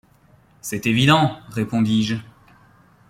C’est évident, répondis-je.